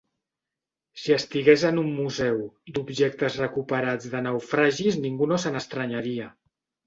Si estigués en un museu d'objectes recuperats de naufragis ningú no se n'estranyaria.